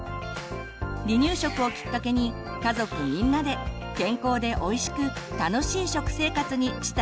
離乳食をきっかけに家族みんなで健康でおいしく楽しい食生活にしたいですね。